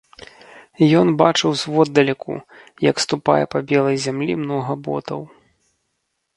Ён бачыў зводдалеку, як ступае па белай зямлі многа ботаў.